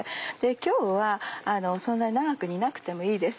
今日はそんなに長く煮なくてもいいです。